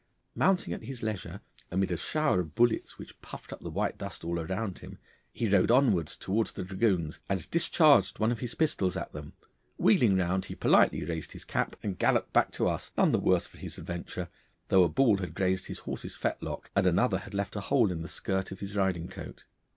Mounting at his leisure, amid a shower of bullets which puffed up the white dust all around him, he rode onwards towards the dragoons and discharged one of his pistols at them. Wheeling round he politely raised his cap, and galloped back to us, none the worse for his adventure, though a ball had grazed his horse's fetlock and another had left a hole in the skirt of his riding coat.